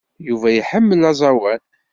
Yuba iḥemmel aẓawan.